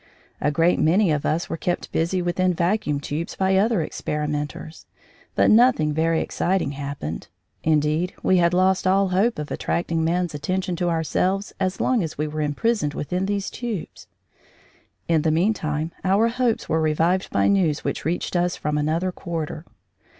A great many of us were kept busy within vacuum tubes by other experimenters, but nothing very exciting happened. Indeed, we had lost all hope of attracting man's attention to ourselves as long as we were imprisoned within these tubes. In the meantime our hopes were revived by news which reached us from another quarter.